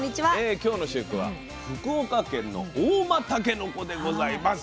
今日の主役は福岡県の合馬たけのこでございます。